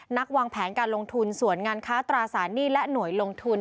วางแผนการลงทุนส่วนงานค้าตราสารหนี้และหน่วยลงทุน